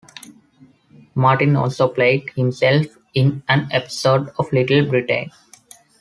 Martin also played himself in an episode of "Little Britain".